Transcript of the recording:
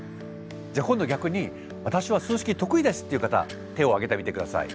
じゃあ今度逆に私は数式得意ですっていう方手を挙げてみて下さい。